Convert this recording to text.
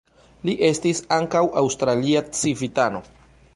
Li estis ankaŭ aŭstralia civitano.